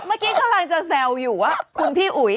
เมื่อกี้กำลังจะแซวอยู่ว่าคุณพี่อุ๋ย